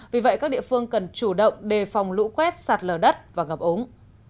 vì vậy các địa phương cần chủ động đề phòng lũ quét sạt lở đất và ngập ống